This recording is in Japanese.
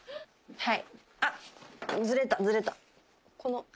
はい。